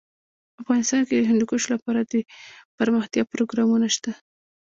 افغانستان کې د هندوکش لپاره دپرمختیا پروګرامونه شته.